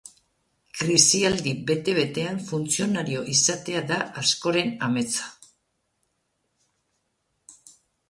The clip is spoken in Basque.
Krisialdi bete-betean, funtzionario izatea da askoren ametsa.